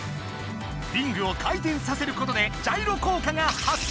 リングを回転させることでジャイロ効果が発生。